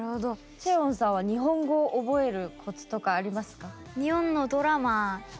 ＣＨＡＥＷＯＮさんは日本語を覚えるコツとかありますか？